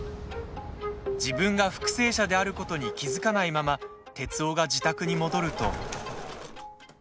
自分が復生者であることに気付かないまま徹生が自宅に戻ると。